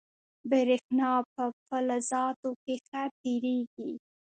برېښنا په فلزاتو کې ښه تېرېږي.